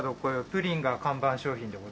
プリンが看板商品でございまして。